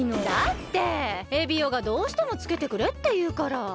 だってエビオがどうしてもつけてくれっていうから。